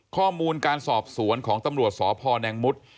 ข้อมูลการสอบสวนของตำรวจสพแนงมุด